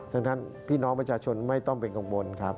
ดังนั้นพี่น้องประชาชนไม่ต้องเป็นกังวลครับ